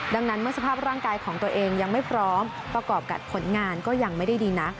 ดังนั้นเมื่อสภาพร่างกายของตัวเองยังไม่พร้อมประกอบกับผลงานก็ยังไม่ได้ดีนัก